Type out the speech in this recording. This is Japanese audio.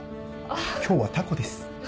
今日はタコです。